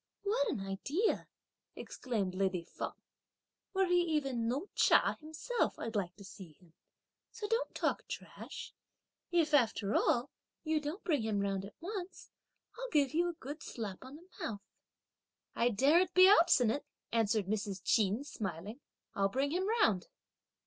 "What an idea!" exclaimed lady Feng. "Were he even No Cha himself, I'd like to see him; so don't talk trash; if, after all, you don't bring him round at once, I'll give you a good slap on the mouth." "I daren't be obstinate," answered Mrs. Ch'in smiling; "I'll bring him round!"